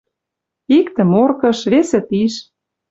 Иктӹ — Моркыш, весӹ — тиш.